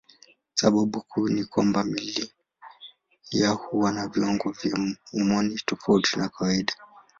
Sababu kuu ni kwamba miili yao huwa na viwango vya homoni tofauti na kawaida.